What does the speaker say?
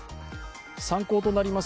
参考となります